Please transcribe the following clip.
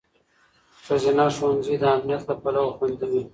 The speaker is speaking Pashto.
ښځینه ښوونځي د امنیت له پلوه خوندي وي.